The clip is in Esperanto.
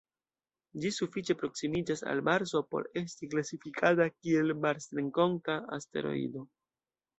Ĝi sufiĉe proksimiĝas al Marso por esti klasifikata kiel marsrenkonta asteroido.